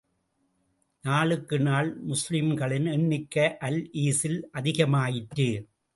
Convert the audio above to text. நாளுக்கு நாள் முஸ்லிம்களின் எண்ணிக்கை அல் ஈஸில் அதிகமாயிற்று.